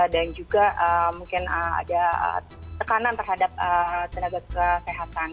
dan juga mungkin ada tekanan terhadap tenaga kesehatan